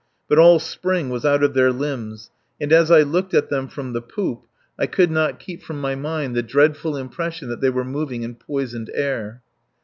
But all spring was out of their limbs, and as I looked at them from the poop I could not keep from my mind the dreadful impression that they were moving in poisoned air.